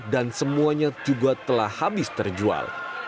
dan semuanya juga telah habis terjual